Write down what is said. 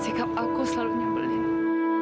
sikap aku selalunya berlindung